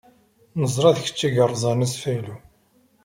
Neẓra d kečč i yerẓan asfaylu.